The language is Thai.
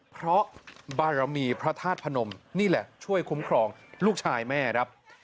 เพราะบารมีพระธาตุพนมนี่แหละช่วยคุ้มครองลูกชายแม่ครับ